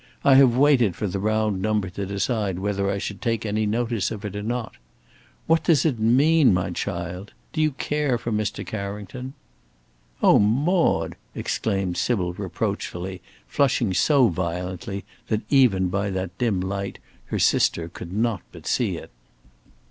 I have waited for the round number to decide whether I should take any notice of it or not? what does it mean, my child? Do you care for Mr. Carrington?" "Oh, Maude!" exclaimed Sybil reproachfully, flushing so violently that, even by that dim light, her sister could not but see it.